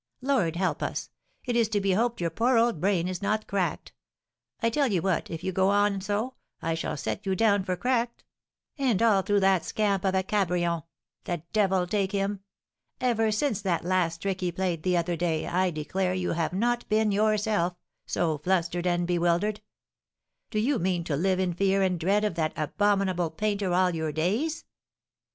Lord, help us! It is to be hoped your poor old brain is not cracked. I tell you what, if you go on so, I shall just set you down for cracked; and all through that scamp of a Cabrion, the devil take him! Ever since that last trick he played the other day, I declare you have not been yourself, so flustered and bewildered! Do you mean to live in fear and dread of that abominable painter all your days?"